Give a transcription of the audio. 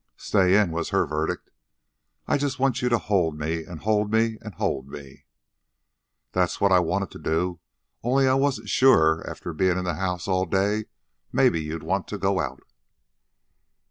"Stay in," was her verdict. "I just want you to hold me, and hold me, and hold me." "That's what I wanted, too, only I wasn't sure, after bein' in the house all day, maybe you'd want to go out."